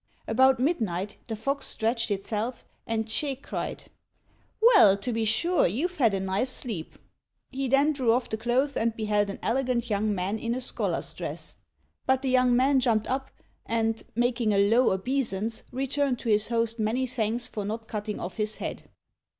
About midnight, the fox stretched itself, and Ch'ê cried, "Well, to be sure, you've had a nice sleep!" He then drew off the clothes, and beheld an elegant young man in a scholar's dress; but the young man jumped up, and making a low obeisance, returned his host many thanks for not cutting off his head.